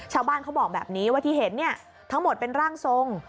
ชาวบ้านเขาบอกแบบนี้ว่าที่เห็นเนี่ยทั้งหมดเป็นร่างทรง